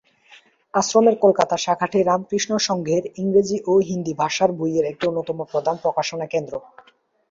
আশ্রমের কলকাতা শাখাটি রামকৃষ্ণ সংঘের ইংরেজি ও হিন্দি ভাষার বইয়ের একটি অন্যতম প্রধান প্রকাশনা কেন্দ্র।